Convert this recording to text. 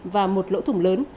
và một lỗ thủng lớn